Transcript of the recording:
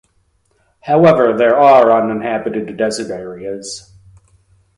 However, there are uninhabited desert areas.